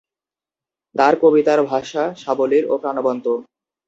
তাঁর কবিতার ভাষা সাবলীল ও প্রাণবন্ত।